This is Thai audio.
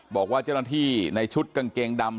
บอกว่าเจ้าหน้าที่ในชุดกางเกงดำ